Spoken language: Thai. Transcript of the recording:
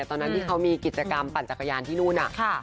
ตอนนั้นที่เขามีกิจกรรมปั่นจักรยานที่นู่นน่ะ